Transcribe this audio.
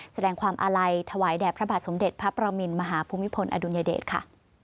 แสดงความอาลัยถวายแด่พระบาทสมเด็จพระประมินมหาภูมิพลอดุลยเดชค่ะ